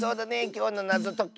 きょうのなぞとき。